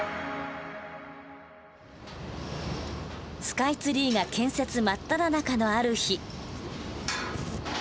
スカイツリーが建設真っただ中のある日。